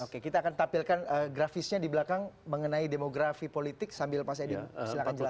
oke kita akan tampilkan grafisnya di belakang mengenai demografi politik sambil pak edi silahkan jelaskan